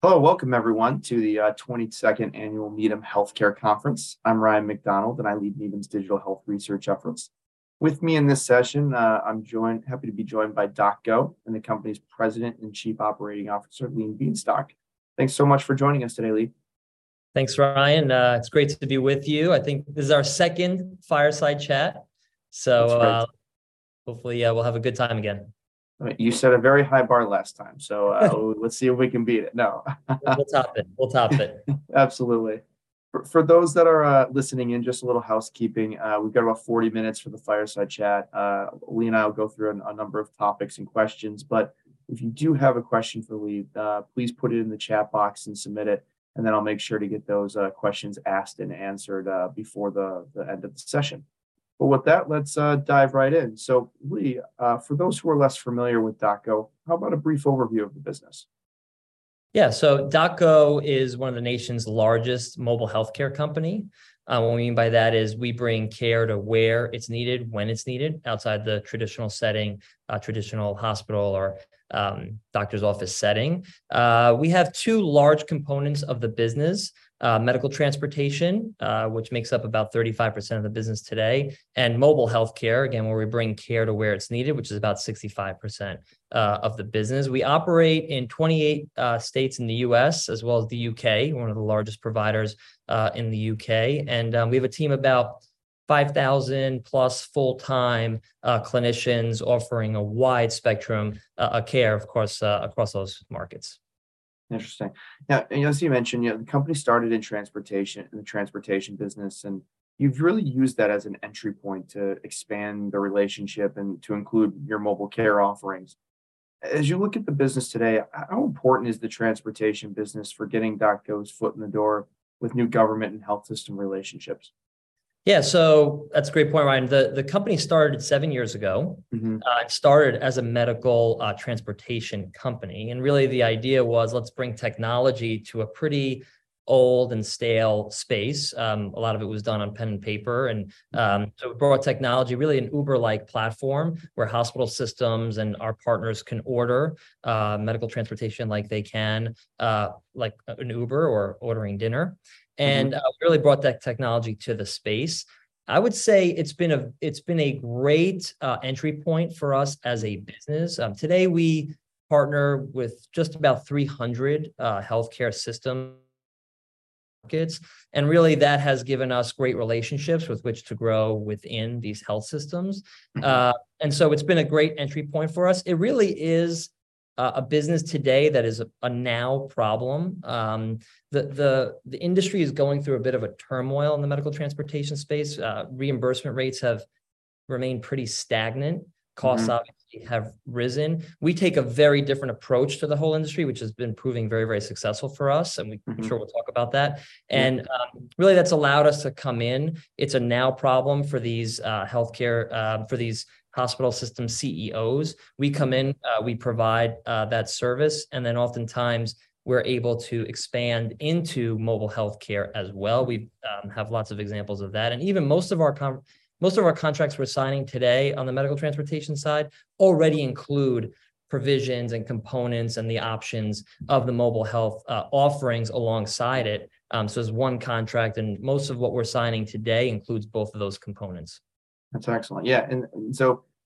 Hello. Welcome, everyone, to the 22nd Annual Needham Healthcare Conference. I'm Ryan MacDonald, and I lead Needham's digital health research efforts. With me in this session, I'm joined, happy to be joined by DocGo and the company's President and Chief Operating Officer, Lee Bienstock. Thanks so much for joining us today, Lee. Thanks, Ryan. It's great to be with you. I think this is our second fireside chat. That's great. Hopefully, we'll have a good time again. You set a very high bar last time let's see if we can beat it. No. We'll top it. Absolutely. For those that are listening in, just a little housekeeping. We've got about 40 minutes for the fireside chat. Lee and I'll go through a number of topics and questions, but if you do have a question for Lee, please put it in the chat box and submit it, and then I'll make sure to get those questions asked and answered before the end of the session. With that, let's dive right in. Lee, for those who are less familiar with DocGo, how about a brief overview of the business? Yeah. DocGo is one of the nation's largest mobile healthcare company. What we mean by that is we bring care to where it's needed, when it's needed, outside the traditional setting, traditional hospital or doctor's office setting. We have two large components of the business, medical transportation, which makes up about 35% of the business today, and mobile healthcare, again, where we bring care to where it's needed, which is about 65% of the business. We operate in 28 states in the U.S., as well as the U.K., one of the largest providers in the U.K. We have a team about 5,000+ full-time clinicians offering a wide spectrum care, of course, across those markets. Interesting. Now, as you mentioned, you know, the company started in the transportation business, and you've really used that as an entry point to expand the relationship and to include your mobile care offerings. As you look at the business today, how important is the transportation business for getting DocGo's foot in the door with new government and health system relationships? Yeah. That's a great point, Ryan. The company started seven years ago it started as a medical transportation company, and really the idea was, let's bring technology to a pretty old and stale space. A lot of it was done on pen and paper. We brought technology, really an Uber-like platform, where hospital systems and our partners can order medical transportation like they can like an Uber or ordering dinner. Really brought that technology to the space. I would say it's been a great entry point for us as a business. Today we partner with just about 300 healthcare system markets, and really that has given us great relationships with which to grow within these health systems. It's been a great entry point for us. It really is a business today that is a now problem. The industry is going through a bit of a turmoil in the medical transportation space. Reimbursement rates have remained pretty stagnant. Costs obviously have risen. We take a very different approach to the whole industry, which has been proving very, very successful for us. I'm sure we'll talk about that. Really that's allowed us to come in. It's a now problem for these healthcare for these hospital system CEOs. We come in, we provide that service, and then oftentimes we're able to expand into mobile healthcare as well. We have lots of examples of that. Even most of our contracts we're signing today on the medical transportation side already include provisions and components and the options of the mobile health offerings alongside it. It's one contract, and most of what we're signing today includes both of those components. That's excellent. Yeah.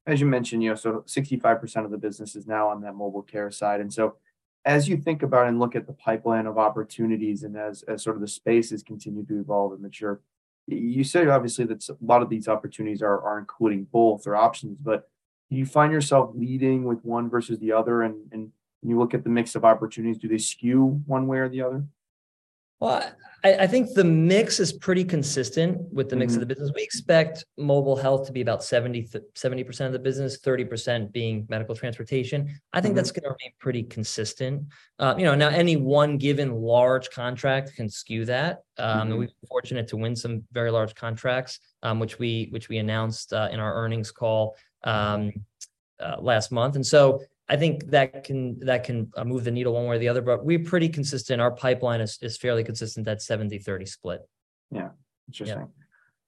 As you mentioned, you know, so 65% of the business is now on that mobile care side. As you think about and look at the pipeline of opportunities and as sort of the spaces continue to evolve and mature, you say obviously that a lot of these opportunities are including both or options, but do you find yourself leading with one versus the other? When you look at the mix of opportunities, do they skew one way or the other? Well, I think the mix is pretty consistent with the. business. We expect mobile health to be about 70% of the business, 30% being medical transportation. I think that's gonna remain pretty consistent. You know, now any one given large contract can skew that. We've been fortunate to win some very large contracts, which we announced in our earnings call last month. I think that can move the needle one way or the other, but we're pretty consistent. Our pipeline is fairly consistent, that 70/30 split. Yeah. Interesting. Yeah.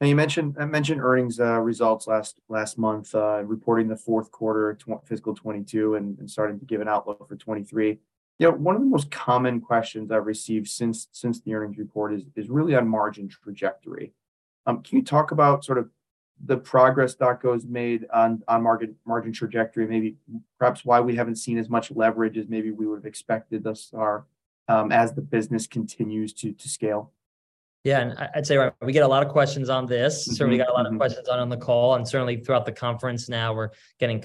Now you mentioned earnings results last month reporting the fourth quarter fiscal 2022 and starting to give an outlook for 2023. You know, one of the most common questions I've received since the earnings report is really on margin trajectory. Can you talk about sort of the progress DocGo's made on margin trajectory? Maybe perhaps why we haven't seen as much leverage as maybe we would've expected thus far as the business continues to scale. Yeah. I'd say, Ryan, we get a lot of questions on this. Certainly got a lot of questions on the call and certainly throughout the conference now we're getting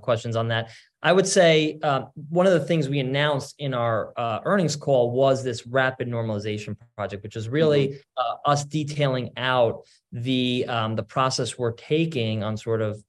questions on that. I would say, one of the things we announced in our earnings call was this rapid normalization project, which is us detailing out the process we're taking on sort of,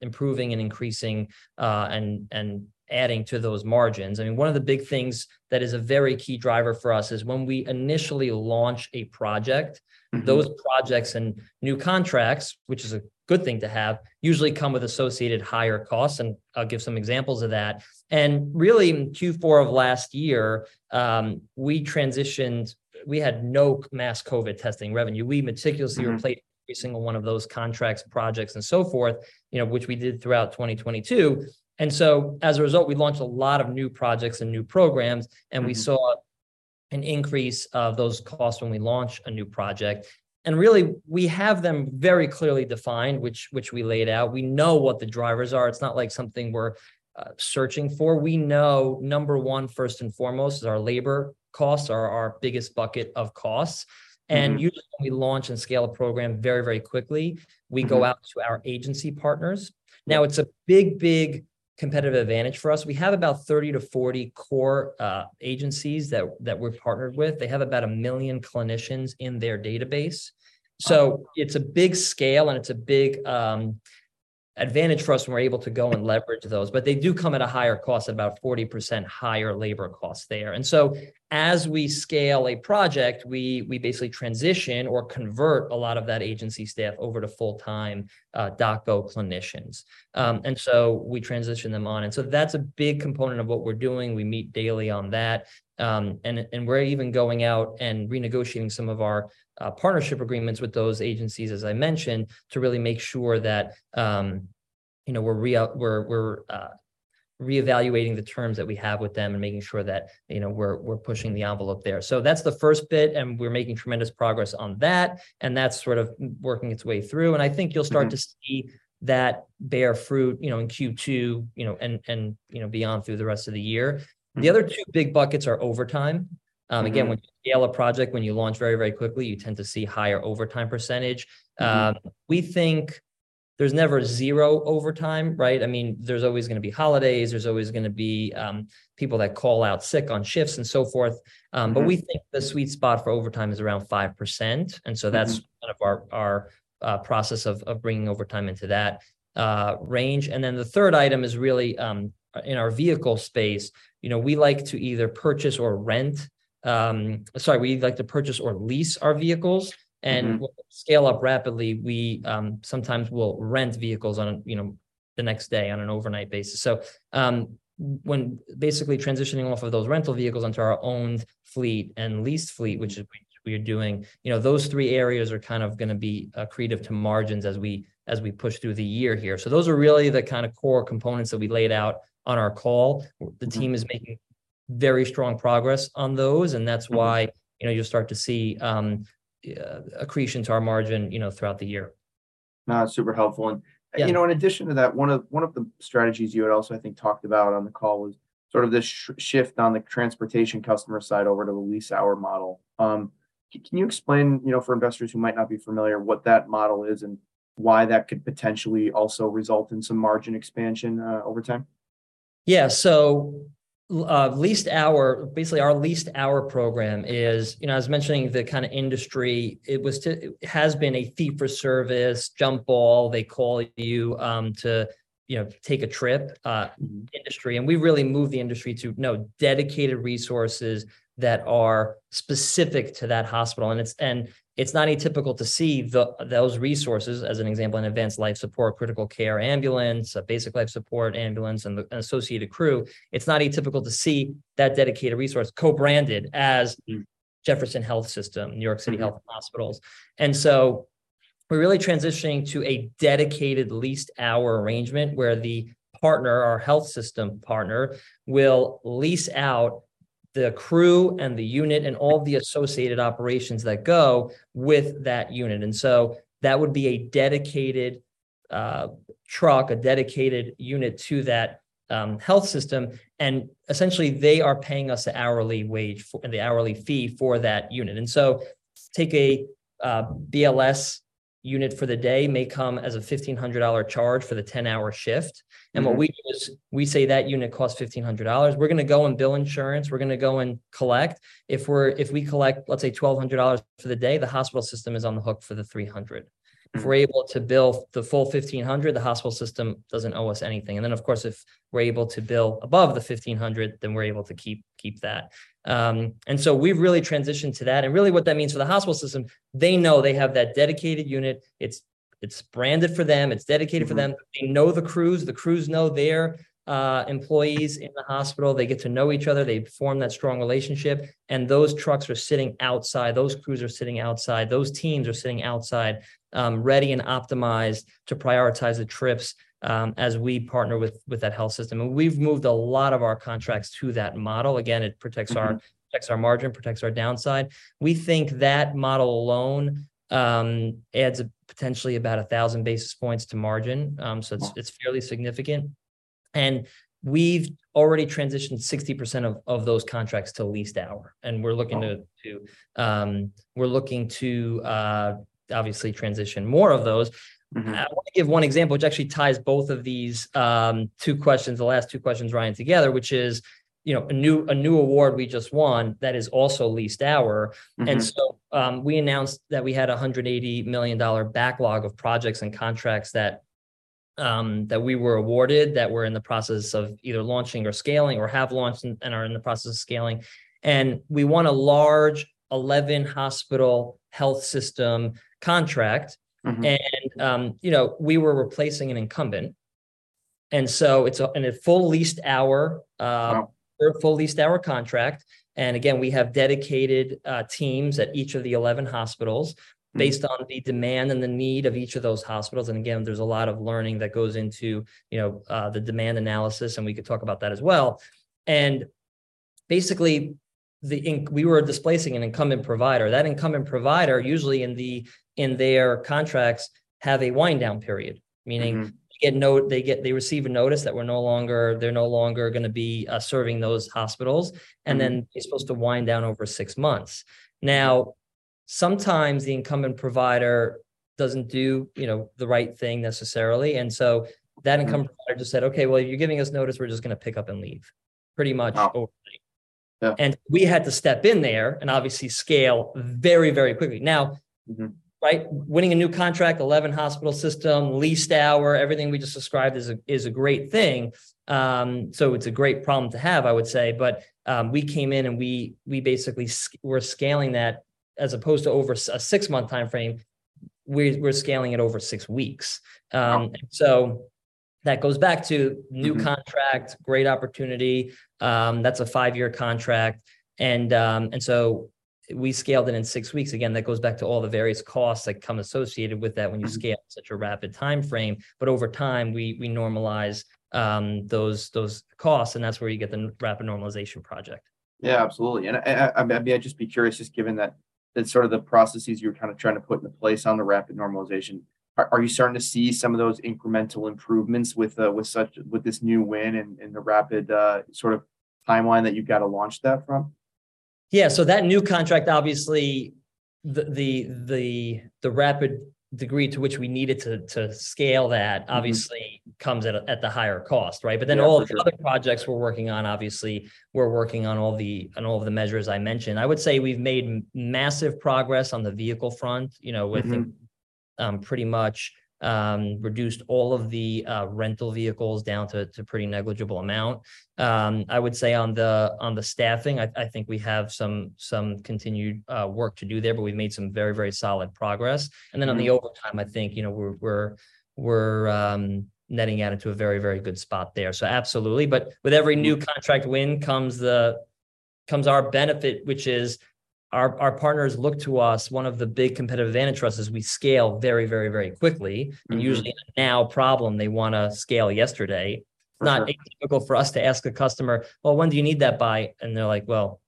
improving and increasing, and adding to those margins. I mean, one of the big things that is a very key driver for us is when we initially launch a project those projects and new contracts, which is a good thing to have, usually come with associated higher costs, and I'll give some examples of that. Really in Q4 of last year, We had no mass COVID testing revenue. We meticulously replaced every single one of those contracts, projects and so forth, you know, which we did throughout 2022. As a result, we launched a lot of new projects and new programs, and we saw an increase of those costs when we launch a new project. Really, we have them very clearly defined, which we laid out. We know what the drivers are. It's not like something we're searching for. We know number one, first and foremost, is our labor costs are our biggest bucket of costs. Usually when we launch and scale a program very, very quickly. we go out to our agency partners. Now, it's a big, big competitive advantage for us. We have about 30 to 40 core agencies that we're partnered with. They have about 1 million clinicians in their database. It's a big scale, and it's a big advantage for us when we're able to go and leverage those, but they do come at a higher cost, about 40% higher labor cost there. As we scale a project, we basically transition or convert a lot of that agency staff over to full-time, DocGo clinicians. We transition them on. That's a big component of what we're doing. We meet daily on that. We're even going out and renegotiating some of our partnership agreements with those agencies, as I mentioned, to really make sure that, you know, we're reevaluating the terms that we have with them and making sure that, you know, we're pushing the envelope there. That's the first bit, and we're making tremendous progress on that, and that's sort of working its way through. I think you'll start to see that bear fruit, you know, in Q2, you know, and, you know, beyond through the rest of the year. The other two big buckets are overtime. Again, when you scale a project, when you launch very, very quickly, you tend to see higher overtime percentage. We think there's never zero overtime, right? I mean, there's always gonna be holidays. There's always gonna be people that call out sick on shifts and so forth. The sweet spot for overtime is around 5%. That's kind of our process of bringing overtime into that range. The third item is really, in our vehicle space, you know, we like to either purchase or rent. Sorry, we like to purchase or lease our vehicles. When we scale up rapidly, we sometimes will rent vehicles on a, you know, the next day on an overnight basis. When basically transitioning off of those rental vehicles onto our owned fleet and leased fleet, which is which we are doing, you know, those three areas are kind of gonna be creative to margins as we, as we push through the year here. Those are really the kind of core components that we laid out on our call. The team is making very strong progress on those you know, you'll start to see accretion to our margin, you know, throughout the year. No, super helpful. Yeah. You know, in addition to that, one of the strategies you had also I think talked about on the call was sort of this shift on the transportation customer side over to the leased hour model. Can you explain, you know, for investors who might not be familiar, what that model is and why that could potentially also result in some margin expansion over time? Yeah. lease hour, basically our lease hour program is, you know, I was mentioning the kind of industry it was it has been a fee for service, jump ball, they call you, to, you know, take a trip, industry, and we've really moved the industry to, no, dedicated resources that are specific to that hospital. It's not atypical to see the, those resources, as an example, in advanced life support, critical care ambulance, a basic life support ambulance, and the, and associated crew. It's not atypical to see that dedicated resource co-branded as Jefferson Health System, New York City. Hospitals. We're really transitioning to a dedicated leased hour arrangement where the partner or health system partner will lease out the crew and the unit and all the associated operations that go with that unit, and so that would be a dedicated truck, a dedicated unit to that health system. Essentially, they are paying us the hourly wage or the hourly fee for that unit. Take a BLS unit for the day may come as a $1,500 charge for the 10-hour shift. What we do is we say that unit costs $1,500. We're going to go and bill insurance. We're going to go and collect. If we collect, let's say, $1,200 for the day, the hospital system is on the hook for the $300. If we're able to bill the full $1,500, the hospital system doesn't owe us anything. Of course, if we're able to bill above the $1,500, then we're able to keep that. We've really transitioned to that. Really what that means for the hospital system, they know they have that dedicated unit. It's branded for them. It's dedicated for them. They know the crews. The crews know their employees in the hospital. They get to know each other. They form that strong relationship. Those trucks are sitting outside. Those crews are sitting outside. Those teams are sitting outside, ready and optimized to prioritize the trips, as we partner with that health system. We've moved a lot of our contracts to that model. Again, it protects our protects our margin, protects our downside. We think that model alone, adds potentially about 1,000 basis points to margin. It's fairly significant. We've already transitioned 60% of those contracts to leased hour, and we're looking to, we're looking to obviously transition more of those. I wanna give one example which actually ties both of these, two questions, the last two questions, Ryan, together, which is, you know, a new award we just won that is also leased hour. We announced that we had $180 million backlog of projects and contracts that we were awarded, that we're in the process of either launching or scaling or have launched and are in the process of scaling. We won a large 11-hospital health system contract. you know, we were replacing an incumbent, and so it's a, and a full leased hour third full leased hour contract, and again, we have dedicated teams at each of the 11 hospitals based on the demand and the need of each of those hospitals. Again, there's a lot of learning that goes into, you know, the demand analysis, and we could talk about that as well. Basically, we were displacing an incumbent provider. That incumbent provider usually in their contracts have a wind down period. Meaning they receive a notice that we're no longer, they're no longer going to be serving those hospitals. They're supposed to wind down over six months. Sometimes the incumbent provider doesn't do, you know, the right thing necessarily. that incumbent provider just said, "Okay, well, you're giving us notice, we're just gonna pick up and leave," pretty much overnight we had to step in there and obviously scale very, very quickly right, winning a new contract, 11 hospital system, leased hour, everything we just described is a, is a great thing. It's a great problem to have, I would say, but we came in, and we're scaling that as opposed to over a 6-month timeframe, we're scaling it over 6 weeks. So that goes back to new contracts. Great opportunity. That's a five-year contract, and so we scaled it in six weeks. Again, that goes back to all the various costs that come associated with that such a rapid timeframe, but over time, we normalize, those costs, and that's where you get the rapid normalization project. Yeah, absolutely. I'd maybe just be curious, just given that sort of the processes you're kind of trying to put into place on the Rapid Normalization, are you starting to see some of those incremental improvements with this new win and the rapid sort of timeline that you've got to launch that from? Yeah, that new contract, obviously the rapid degree to which we need it to scale obviously comes at a higher cost, right? Yeah, for sure. All of the other projects we're working on, obviously we're working on all of the measures I mentioned. I would say we've made massive progress on the vehicle front, you know pretty much, reduced all of the rental vehicles down to pretty negligible amount. I would say on the staffing I think we have some continued work to do there, but we've made some very, very solid progress. On the overtime, I think, you know, we're netting out into a very, very good spot there, so absolutely. With every new contract win comes our benefit, which is our partners look to us. One of the big competitive advantage for us is we scale very quickly. Usually a now problem they wanna scale yesterday. It's not atypical for us to ask a customer, "Well, when do you need that by?" They're like, Well,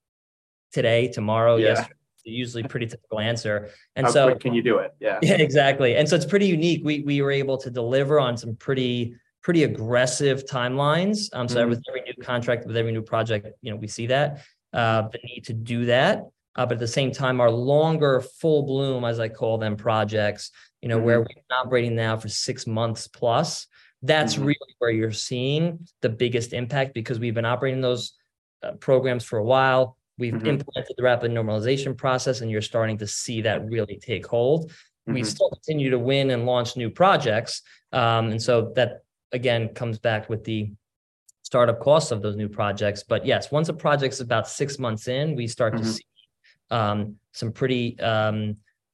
today, tomorrow, yesterday. Yeah. Usually a pretty typical answer. How quick can you do it? Yeah. Yeah, exactly. It's pretty unique. We were able to deliver on some pretty aggressive timelines. With every new contract, with every new project, you know, we see that the need to do that. At the same time, our longer full bloom, as I call them, projects, you know. where we've been operating now for 6+ months that's really where you're seeing the biggest impact because we've been operating those programs for a while. We've implemented the rapid normalization process, and you're starting to see that really take hold We still continue to win and launch new projects. That again comes back with the startup costs of those new projects. Yes, once a project's about six months in, we start to see some pretty,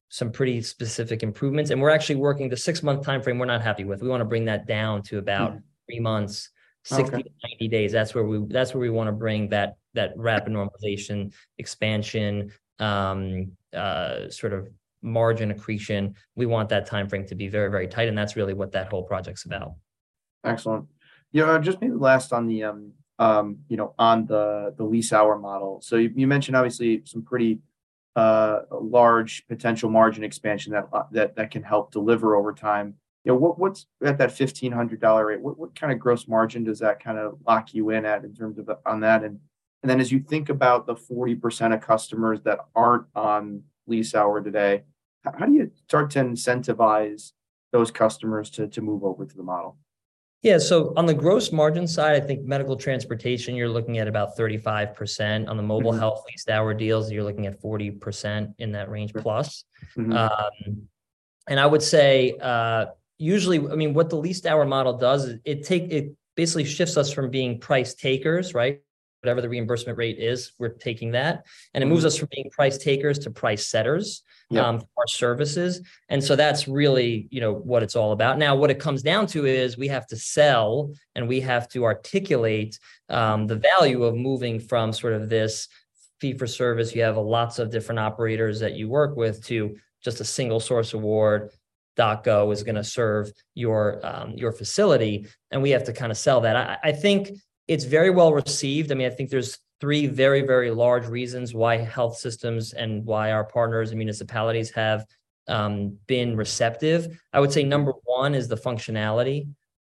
some pretty specific improvements, and we're actually working, the 6-month timeframe we're not happy with. We wanna bring that down to about three months. Okay. 60-90 days, that's where we wanna bring that rapid normalization expansion, sort of margin accretion. We want that timeframe to be very, very tight. That's really what that whole project's about. Excellent. Yeah, just maybe last on the, you know, on the leased hour model. You, you mentioned obviously some pretty large potential margin expansion that can help deliver over time. You know, what's, at that $1,500 rate, what kind of gross margin does that kind of lock you in at in terms of on that? Then as you think about the 40% of customers that aren't on leased hour today, how do you start to incentivize those customers to move over to the model? Yeah. On the gross margin side, I think medical transportation, you're looking at about 35%. On the mobile health leased hour deals, you're looking at 40%, in that range plus. I would say, usually, I mean, what the leased hour model does is it basically shifts us from being price takers, right? Whatever the reimbursement rate is, we're taking that. It moves us from being price takers to price setters for our services, that's really, you know, what it's all about. What it comes down to is we have to sell, and we have to articulate, the value of moving from sort of this fee for service, you have a lots of different operators that you work with, to just a single source award. DocGo is gonna serve your facility, and we have to kind of sell that. I think it's very well-received. I mean, I think there's three very, very large reasons why health systems and why our partners and municipalities have been receptive. I would say number one is the functionality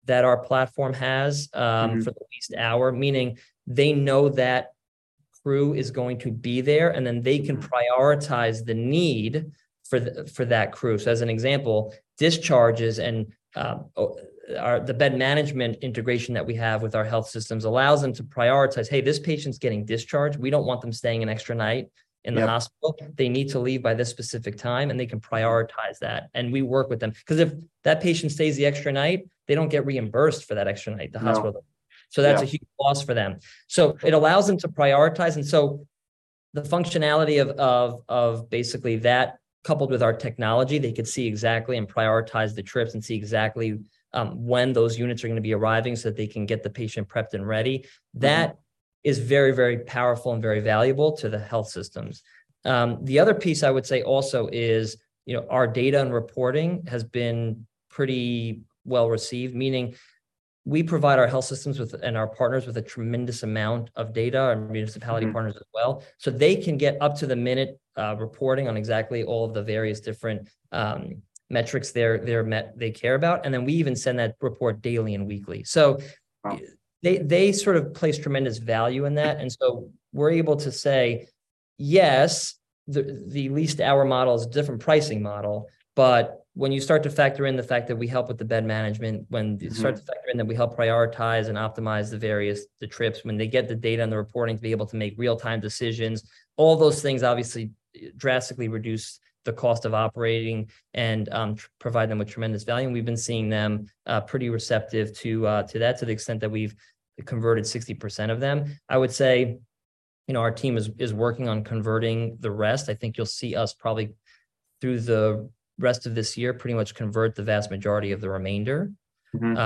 that our platform has. For the leased hour, meaning they know that crew is going to be there, and then they can prioritize the need for that crew. As an example, discharges and, or, the bed management integration that we have with our health systems allows them to prioritize, "Hey, this patient's getting discharged. We don't want them staying an extra night in the hospital. They need to leave by this specific time. They can prioritize that, and we work with them. 'Cause if that patient stays the extra night, they don't get reimbursed for that extra night, the hospital. No. that's a huge loss for them. It allows them to prioritize, the functionality of basically that coupled with our technology, they could see exactly and prioritize the trips and see exactly when those units are gonna be arriving so that they can get the patient prepped and ready. That is very, very powerful and very valuable to the health systems. The other piece I would say also is, you know, our data and reporting has been pretty well-received, meaning. We provide our health systems with, and our partners with a tremendous amount of data our municipality partners as well, so they can get up-to-the-minute reporting on exactly all of the various different metrics they care about, and then we even send that report daily and weekly they sort of place tremendous value in that. We're able to say, yes, the leased hour model is a different pricing model, but when you start to factor in the fact that we help with the bed management. .You start to factor in that we help prioritize and optimize the various, the trips, when they get the data and the reporting to be able to make real-time decisions, all those things obviously drastically reduce the cost of operating and provide them with tremendous value, and we've been seeing them pretty receptive to that to the extent that we've converted 60% of them. I would say, you know, our team is working on converting the rest. I think you'll see us probably through the rest of this year pretty much convert the vast majority of the remainder. You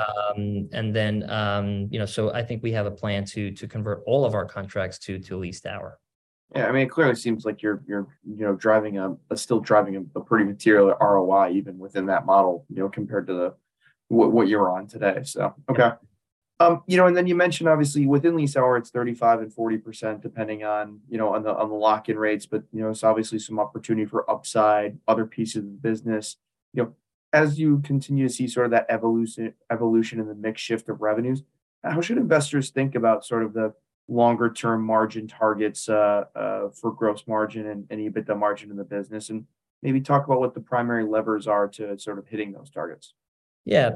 know, I think we have a plan to convert all of our contracts to leased hour. Yeah, I mean, it clearly seems like you're, you know, driving a, still driving a pretty material ROI even within that model, you know, compared to what you were on today. Okay. You know, you mentioned obviously within leased hour it's 35% and 40% depending on, you know, on the lock-in rates, you know, obviously some opportunity for upside, other pieces of the business. You know, as you continue to see sort of that evolution in the mix shift of revenues, how should investors think about sort of the longer term margin targets for gross margin and EBITDA margin in the business? Maybe talk about what the primary levers are to sort of hitting those targets. Yeah.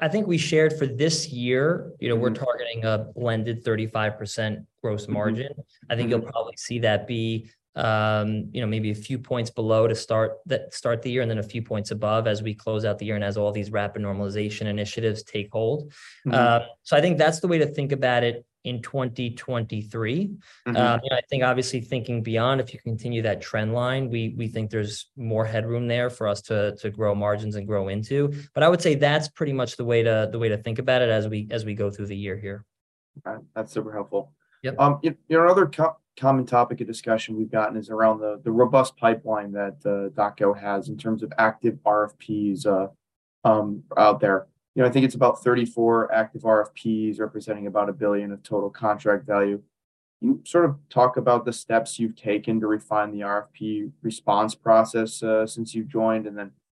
I think we shared for this year you know, we're targeting a blended 35% gross margin. I think you'll probably see that be, you know, maybe a few points below to start the year, then a few points above as we close out the year and as all these rapid normalization initiatives take hold. I think that's the way to think about it in 2023. I think obviously thinking beyond, if you continue that trend line, we think there's more headroom there for us to grow margins and grow into. I would say that's pretty much the way to think about it as we go through the year here. All right. That's super helpful. Yep. You know, another common topic of discussion we've gotten is around the robust pipeline that DocGo has in terms of active RFPs out there. You know, I think it's about 34 active RFPs representing about $1 billion of total contract value. Can you sort of talk about the steps you've taken to refine the RFP response process since you've joined?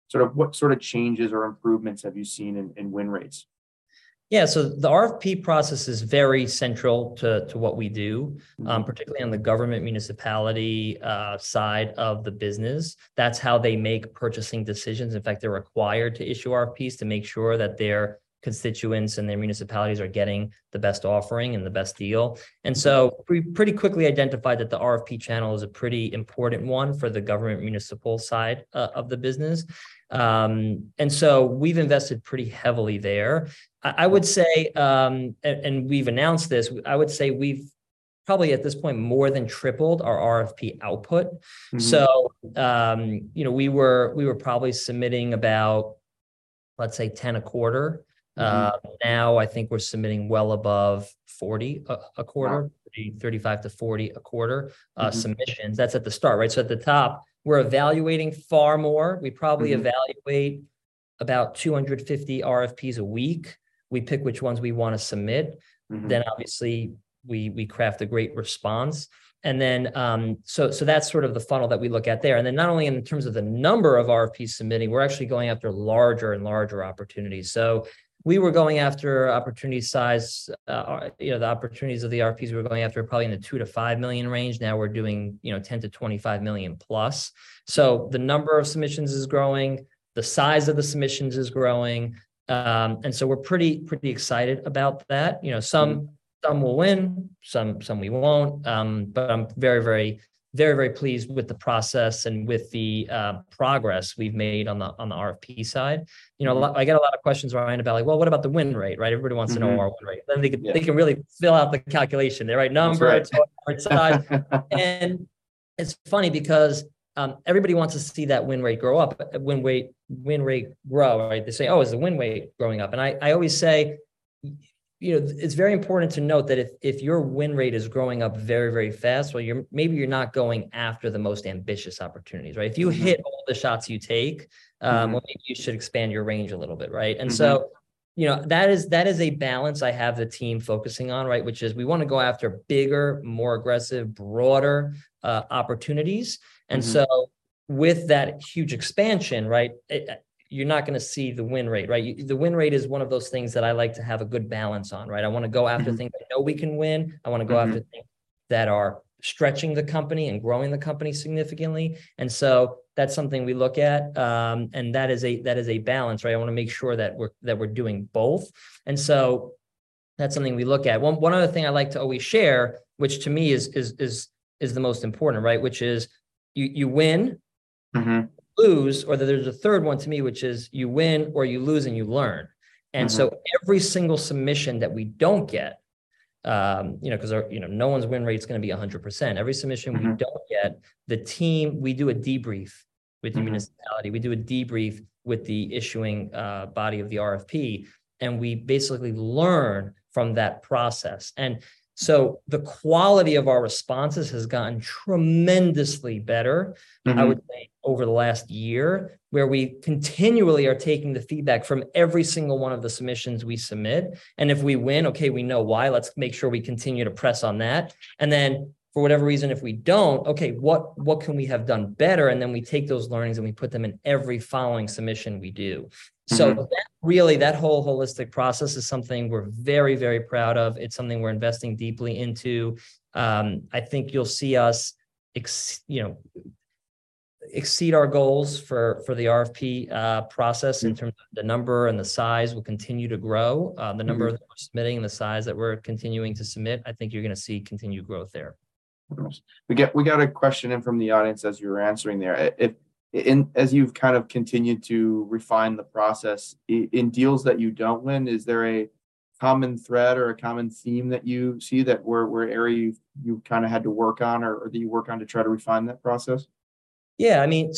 Sort of what sort of changes or improvements have you seen in win rates? Yeah. The RFP process is very central to what we do particularly on the government municipality side of the business. That's how they make purchasing decisions. In fact, they're required to issue RFPs to make sure that their constituents and their municipalities are getting the best offering and the best deal. We pretty quickly identified that the RFP channel is a pretty important one for the government municipal side of the business. We've invested pretty heavily there. I would say, and we've announced this, I would say we've probably at this point more than tripled our RFP output. You know, we were probably submitting about, let's say, 10 a quarter. Now I think we're submitting well above 40 a quarter. Maybe $35-$40 a quarter submissions. That's at the start, right? At the top, we're evaluating far more. We probably evaluate about 250 RFPs a week. We pick which ones we wanna submit. Obviously we craft a great response. That's sort of the funnel that we look at there. Not only in terms of the number of RFPs submitting, we're actually going after larger and larger opportunities. We were going after opportunity size, or, you know, the opportunities of the RFPs we were going after probably in the $2 million-$5 million range, now we're doing, you know, $10 million-$25+ million. The number of submissions is growing, the size of the submissions is growing, and so we're pretty excited about that. You know. some we'll win, some we won't. I'm very, very, very, very pleased with the process and with the progress we've made on the, on the RFP side. A lot You know, I get a lot of questions around about like, "Well, what about the win rate?" Right? Everybody wants to know more win rate. Yeah. They can really fill out the calculation. That's right. It's funny because everybody wants to see that win rate grow up. win rate grow, right? They say, "Oh, is the win rate growing up?" I always say, you know, it's very important to note that if your win rate is growing up very, very fast, well, maybe you're not going after the most ambitious opportunities, right? If you hit all the shots you take well, maybe you should expand your range a little bit, right? You know, that is, that is a balance I have the team focusing on, right? Which is we wanna go after bigger, more aggressive, broader opportunities. With that huge expansion, right, you're not gonna see the win rate, right? The win rate is one of those things that I like to have a good balance on, right? I wanna go after things I know we can win. I wanna go after things that are stretching the company and growing the company significantly. That's something we look at. That is a balance, right? I wanna make sure that we're doing both, that's something we look at. One other thing I like to always share, which to me is the most important, right, which is you win you lose, or there's a third one to me, which is you win or you lose and you learn Every single submission that we don't get, you know, 'cause our, you know, no one's win rate's gonna be 100% every submission we don't get, the team, we do a debrief. With the municipality. We do a debrief with the issuing body of the RFP, and we basically learn from that process. The quality of our responses has gotten tremendously better. I would say, over the last year, where we continually are taking the feedback from every single one of the submissions we submit. If we win, okay, we know why. Let's make sure we continue to press on that. For whatever reason, if we don't, okay, what can we have done better? We take those learnings, and we put them in every following submission we do. That, really, that whole holistic process is something we're very, very proud of. It's something we're investing deeply into. I think you'll see us you know, exceed our goals for the RFP process. in terms of the number and the size will continue to grow that we're submitting and the size that we're continuing to submit, I think you're gonna see continued growth there. We got a question in from the audience as you were answering there. As you've kind of continued to refine the process, in deals that you don't win, is there a common thread or a common theme that you see that where area you've, you kind of had to work on or that you work on to try to refine that process? Yeah, I mean,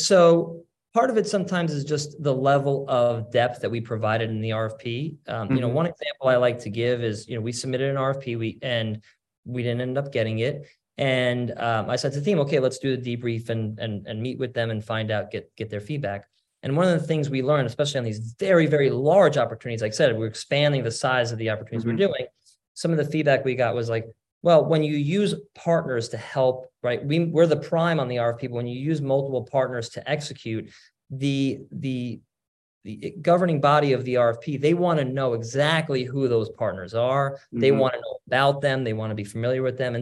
part of it sometimes is just the level of depth that we provided in the RFP. you know one example I like to give is, you know, we submitted an RFP, and we didn't end up getting it, and I said to the team, "Okay, let's do the debrief and meet with them and find out, get their feedback." One of the things we learned, especially on these very, very large opportunities, like I said, we're expanding the size of the opportunities we're doing. Some of the feedback we got was like, well, when you use partners to help, right, we're the prime on the RFP, but when you use multiple partners to execute, the governing body of the RFP, they wanna know exactly who those partners are. They wanna know about them. They wanna be familiar with them.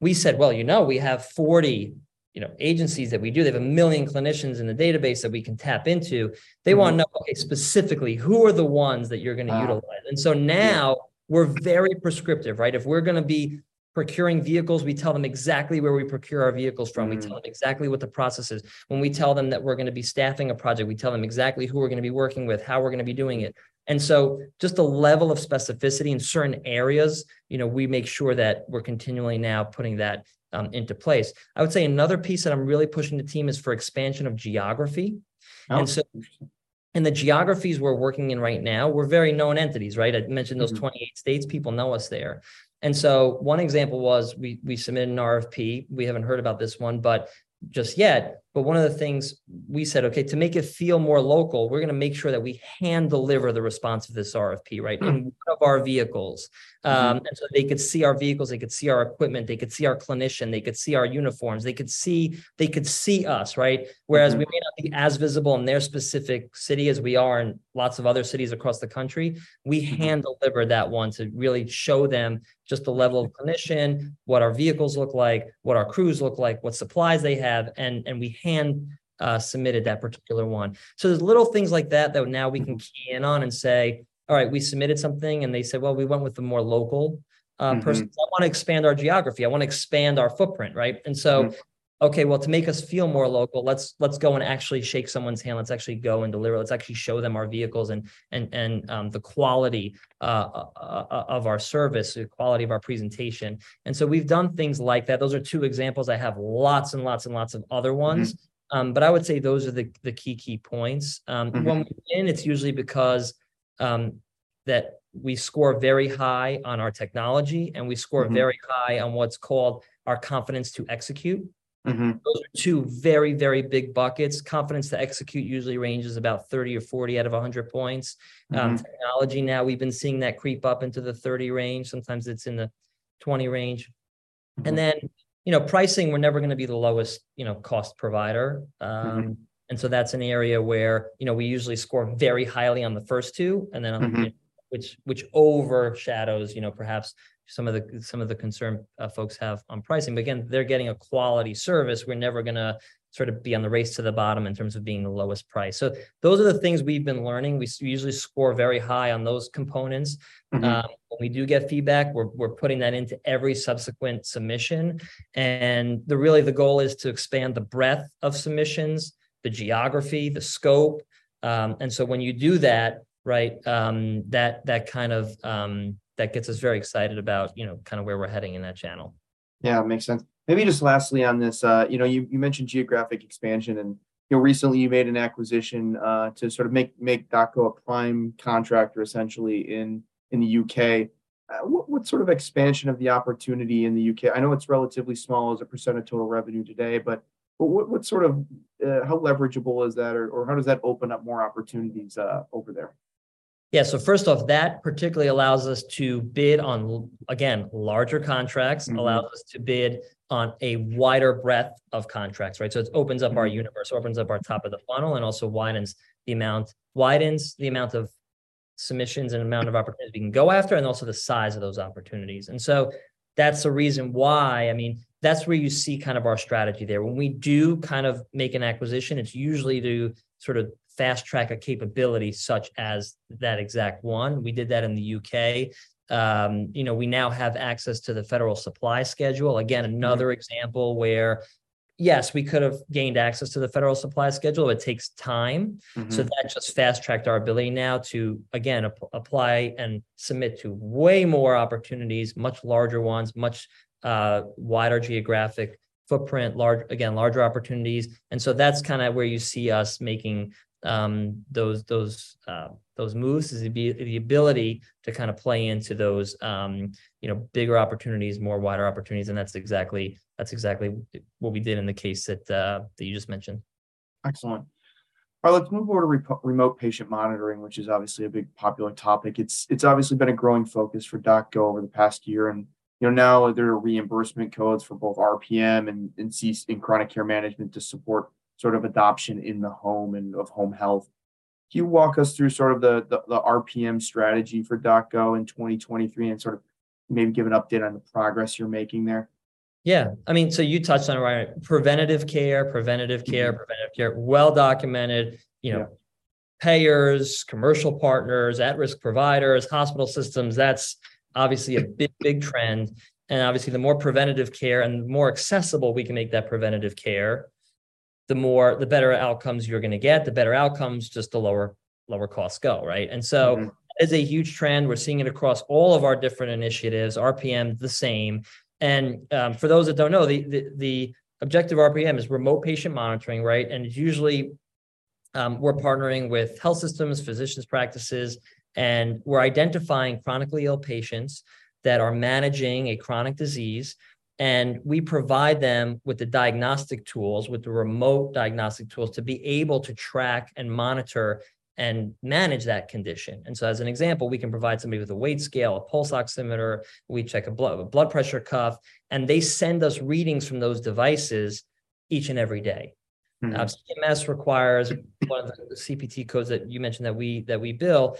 We said, "Well, you know, we have 40, you know, agencies that we do. They have 1 million clinicians in the database that we can tap into. They wanna know, okay, specifically, who are the ones that you're gonna utilize? Now we're very prescriptive, right? If we're gonna be procuring vehicles, we tell them exactly where we procure our vehicles from. We tell them exactly what the process is. When we tell them that we're gonna be staffing a project, we tell them exactly who we're gonna be working with, how we're gonna be doing it. Just the level of specificity in certain areas, you know, we make sure that we're continually now putting that into place. I would say another piece that I'm really pushing the team is for expansion of geography. The geographies we're working in right now were very known entities, right? I mentioned those 28 states. People know us there. One example was we submitted an RFP. We haven't heard about this one, but just yet, but one of the things we said, "Okay, to make it feel more local, we're gonna make sure that we hand deliver the response of this RFP in one of our vehicles. They could see our vehicles, they could see our equipment, they could see our clinician, they could see our uniforms, they could see us, right? Whereas we may not be as visible in their specific city as we are in lots of other cities across the country we hand deliver that one to really show them just the level of clinician, what our vehicles look like, what our crews look like, what supplies they have, and we hand submitted that particular one. There's little things like that that now we can key in on and say, "All right, we submitted something," and they said, "Well, we went with the more local person. I wanna expand our geography. I wanna expand our footprint, right? Okay, well, to make us feel more local, let's go and actually shake someone's hand. Let's actually go and deliver. Let's actually show them our vehicles and the quality of our service, the quality of our presentation. We've done things like that. Those are two examples. I have lots and lots and lots of other ones. I would say those are the key points. when we win, it's usually because, that we score very high on our technology.very high on what's called our confidence to execute. Those are two very, very big buckets. Confidence to execute usually ranges about 30 or 40 out of 100 points. Technology now, we've been seeing that creep up into the 30 range. Sometimes it's in the 20 range. Then, you know, pricing, we're never gonna be the lowest, you know, cost provider. That's an area where, you know, we usually score very highly on the first two, and then on the which overshadows, you know, perhaps some of the, some of the concern folks have on pricing. Again, they're getting a quality service. We're never gonna sort of be on the race to the bottom in terms of being the lowest price. Those are the things we've been learning. We usually score very high on those components. When we do get feedback, we're putting that into every subsequent submission, and the, really the goal is to expand the breadth of submissions, the geography, the scope. When you do that, right, that kind of, that gets us very excited about, you know, kind of where we're heading in that channel. Yeah, makes sense. Maybe just lastly on this, you know, you mentioned geographic expansion and, you know, recently you made an acquisition to sort of make DocGo a prime contractor essentially in the U.K. What sort of expansion of the opportunity in the U.K.? I know it's relatively small as a percentage of total revenue today, but what sort of how leverageable is that or how does that open up more opportunities over there? Yeah, first off, that particularly allows us to bid on again, larger contracts. Allows us to bid on a wider breadth of contracts, right? It opens up our universe opens up our top of the funnel and also widens the amount of submissions and amount of opportunities we can go after and also the size of those opportunities. That's the reason why. I mean, that's where you see kind of our strategy there. When we do kind of make an acquisition, it's usually to sort of fast-track a capability such as that exact one. We did that in the U.K.. You know, we now have access to the Federal Supply Schedule again another example where, Yes, we could have gained access to the Federal Supply Schedule. It takes time. That just fast-tracked our ability now to, again, apply and submit to way more opportunities, much larger ones, much wider geographic footprint, larger opportunities. That's kinda where you see us making those moves is the ability to kinda play into those, you know, bigger opportunities, more wider opportunities, and that's exactly what we did in the case that you just mentioned. Excellent. Let's move over to remote patient monitoring, which is obviously a big popular topic. It's obviously been a growing focus for DocGo over the past year, and, you know, now there are reimbursement codes for both RPM and chronic care management to support sort of adoption in the home and of home health. Can you walk us through sort of the RPM strategy for DocGo in 2023 and sort of maybe give an update on the progress you're making there? Yeah. I mean, you touched on it, right? Preventative care. Preventative care, well documented, you know payers, commercial partners, at-risk providers, hospital systems. That's obviously a big trend. Obviously the more preventative care and the more accessible we can make that preventative care, the better outcomes you're gonna get. The better outcomes, just the lower costs go, right? That is a huge trend. We're seeing it across all of our different initiatives, RPM the same. For those that don't know, the objective of RPM is remote patient monitoring, right? Usually, we're partnering with health systems, physicians practices, and we're identifying chronically ill patients that are managing a chronic disease, and we provide them with the diagnostic tools, with the remote diagnostic tools to be able to track and monitor and manage that condition. As an example, we can provide somebody with a weight scale, a pulse oximeter, we check a blood pressure cuff, and they send us readings from those devices each and every day. CMS requires one of the CPT codes that you mentioned that we, that we bill,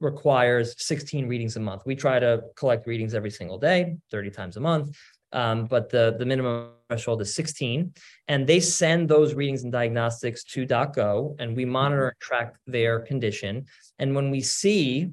requires 16 readings a month. We try to collect readings every single day, 30 times a month, but the minimum threshold is 16. They send those readings and diagnostics to DocGo, and we monitor and track their condition. When we see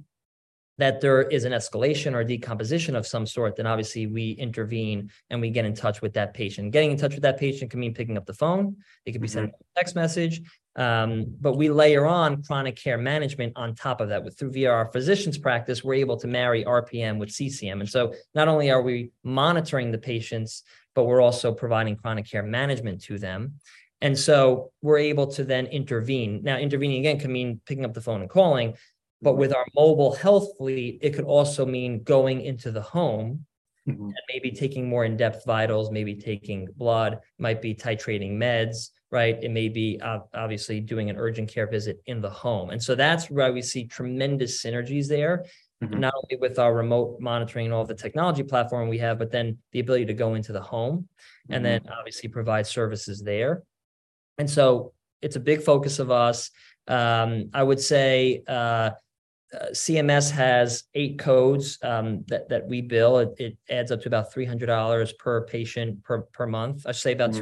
that there is an escalation or decomposition of some sort, obviously we intervene and we get in touch with that patient. Getting in touch with that patient can mean picking up the phone. It could be sending a text message. We layer on chronic care management on top of that. Via our physicians practice, we're able to marry RPM with CCM. Not only are we monitoring the patients, but we're also providing chronic care management to them. We're able to then intervene. Now, intervening again can mean picking up the phone and calling with our mobile health fleet, it could also mean going into the home. Maybe taking more in-depth vitals, maybe taking blood, might be titrating meds, right? It may be obviously doing an urgent care visit in the home. That's where we see tremendous synergies there not only with our remote monitoring and all of the technology platform we have, but then the ability to go into the home... and then obviously provide services there. It's a big focus of us. I would say, CMS has eight codes that we bill. It adds up to about $300 per patient per month. I'd say about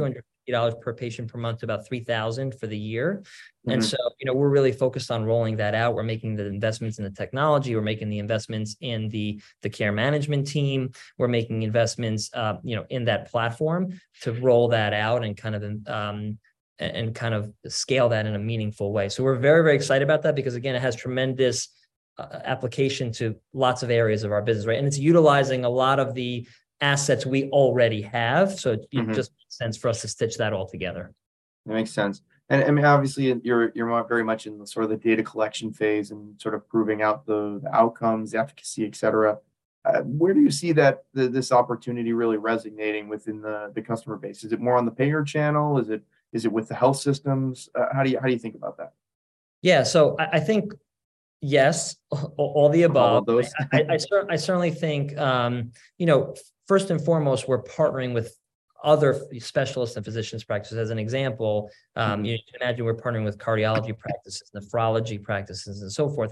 $250 per patient per month, about $3,000 for the year. You know, we're really focused on rolling that out. We're making the investments in the technology. We're making the investments in the care management team. We're making investments, you know, in that platform to roll that out and kind of then and kind of scale that in a meaningful way. We're very, very excited about that because again, it has tremendous application to lots of areas of our business, right? It's utilizing a lot of the assets we already have. It just makes sense for us to stitch that all together. That makes sense. I mean, obviously you're very much in the sort of the data collection phase and sort of proving out the outcomes, the efficacy, et cetera. Where do you see that, this opportunity really resonating within the customer base? Is it more on the payer channel? Is it with the health systems? How do you, how do you think about that? Yeah. I think, yes, all the above. All of those. I certainly think, you know, first and foremost, we're partnering with other specialists and physicians practices. As an example you can imagine we're partnering with cardiology practices, nephrology practices, and so forth.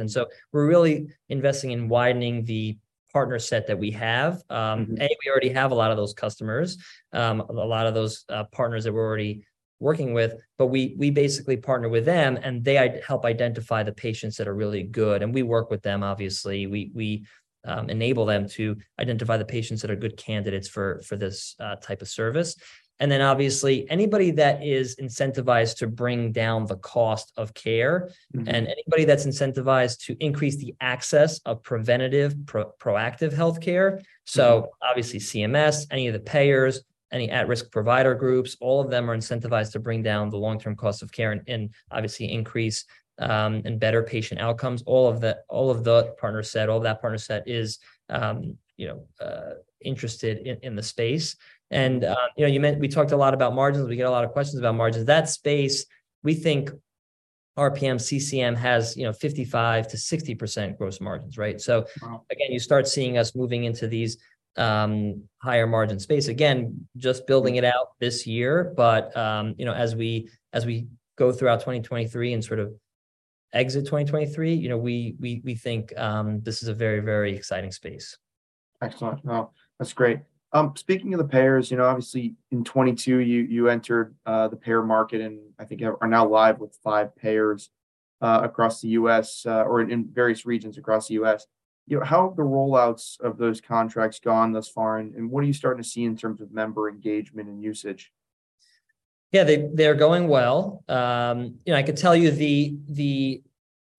We're really investing in widening the partner set that we have. A, we already have a lot of those customers, a lot of those partners that we're already working with. We basically partner with them. They help identify the patients that are really good. We work with them obviously. We enable them to identify the patients that are good candidates for this type of service. Then obviously anybody that is incentivized to bring down the cost of care and anybody that's incentivized to increase the access of preventative, proactive healthcare. Obviously CMS, any of the payers, any at-risk provider groups, all of them are incentivized to bring down the long-term cost of care and obviously increase, and better patient outcomes. All of the partner set, all of that partner set is, you know, interested in the space. You know, you meant we talked a lot about margins. We get a lot of questions about margins. That space, we think RPM, CCM has, you know, 55%-60% gross margins, right again, you start seeing us moving into these higher margin space. Again, just building it out this year, but, you know, as we go throughout 2023 and sort of exit 2023, you know, we think this is a very, very exciting space. Excellent. No, that's great. speaking of the payers, you know, obviously in 2022 you entered the payer market and I think have, are now live with five payers, across the U.S., or in various regions across the U.S. You know, how have the rollouts of those contracts gone thus far and what are you starting to see in terms of member engagement and usage? Yeah, they're going well. You know, I could tell you the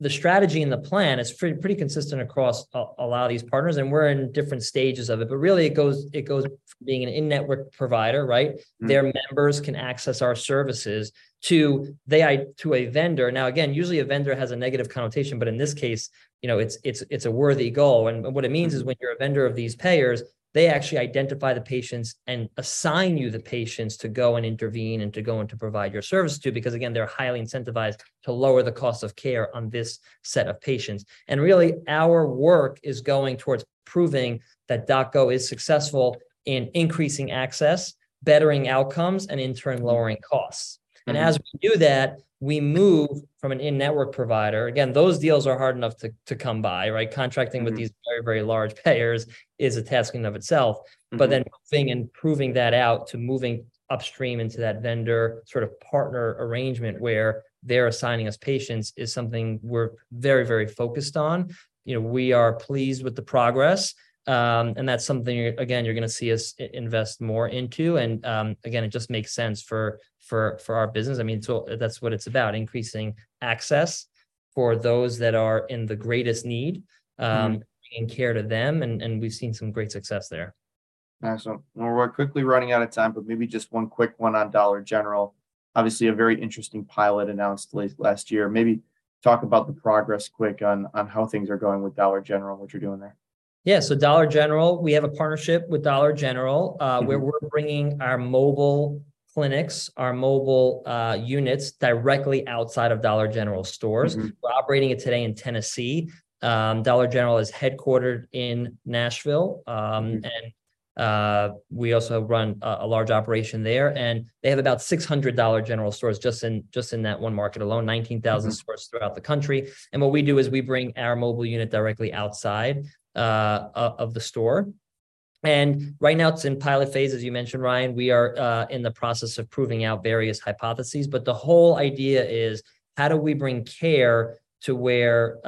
strategy and the plan is pretty consistent across a lot of these partners, and we're in different stages of it. Really it goes from being an in-network provider, right? Their members can access our services to a vendor. Now again, usually a vendor has a negative connotation, but in this case, you know, it's a worthy goal what it means is when you're a vendor of these payers, they actually identify the patients and assign you the patients to go and intervene and to go in to provide your service to, because again, they're highly incentivized to lower the cost of care on this set of patients. Really our work is going towards proving that DocGo is successful in increasing access, bettering outcomes, and in turn lowering costs. As we do that, we move from an in-network provider. Again, those deals are hard enough to come by, right? Contracting with these very, very large payers is a tasking of itself but then moving and proving that out to moving upstream into that vendor sort of partner arrangement where they're assigning us patients is something we're very, very focused on. You know, we are pleased with the progress. That's something again you're gonna see us invest more into. Again, it just makes sense for our business. I mean, that's what it's about, increasing access for those that are in the greatest need bringing care to them and we've seen some great success there. Awesome. Well, we're quickly running out of time, but maybe just one quick one on Dollar General. Obviously a very interesting pilot announced last year. Maybe talk about the progress quick on how things are going with Dollar General, what you're doing there. Yeah, Dollar General, we have a partnership with Dollar General where we're bringing our mobile clinics, our mobile units directly outside of Dollar General stores. We're operating it today in Tennessee. Dollar General is headquartered in Nashville. We also run a large operation there, and they have about 600 Dollar General stores just in that one market alone. 19,000 stores throughout the country. What we do is we bring our mobile unit directly outside, of the store. Right now it's in pilot phase, as you mentioned, Ryan. We are, in the process of proving out various hypotheses. The whole idea is how do we bring care to where,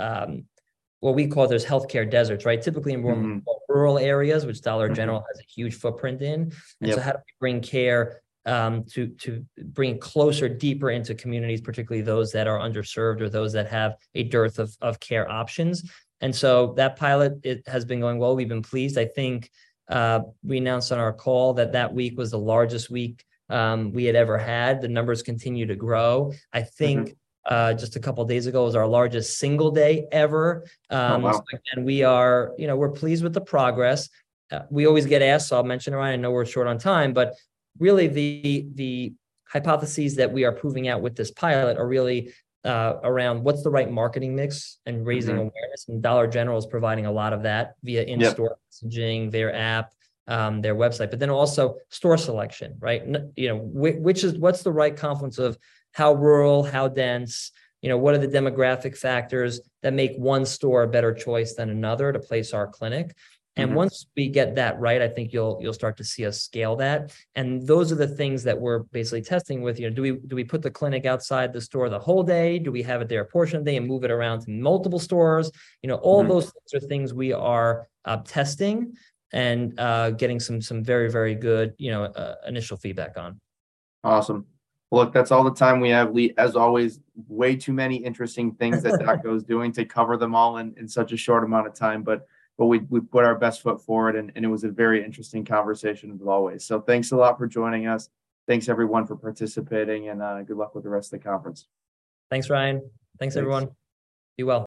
what we call those healthcare deserts, right? Typically more rural areas, which Dollar General has a huge footprint in. Yep. How do we bring care, to bring closer, deeper into communities, particularly those that are underserved or those that have a dearth of care options. That pilot it has been going well. We've been pleased. I think, we announced on our call that week was the largest week, we had ever had. The numbers continue to grow. I think, just a couple days ago it was our largest single day ever. Oh, wow! And we are, you know, we're pleased with the progress. We always get asked, so I'll mention it, Ryan, I know we're short on time, but really the hypotheses that we are proving out with this pilot are really around what's the right marketing mix in raising awareness. Dollar General is providing a lot of that. Yeah. In-store messaging, their app, their website, but then also store selection, right? You know, which is, what's the right confluence of how rural, how dense? You know, what are the demographic factors that make one store a better choice than another to place our clinic Once we get that right, I think you'll start to see us scale that. Those are the things that we're basically testing with. You know, do we put the clinic outside the store the whole day? Do we have it there a portion of the day and move it around to multiple stores? You know those sorts of things we are testing and getting some very good, you know, initial feedback on. Awesome. Look, that's all the time we have. We, as always, way too many interesting things that DocGo's doing to cover them all in such a short amount of time. We put our best foot forward, and it was a very interesting conversation as always. Thanks a lot for joining us. Thanks everyone for participating and good luck with the rest of the conference. Thanks Ryan. Thanks everyone. Thanks. Be well.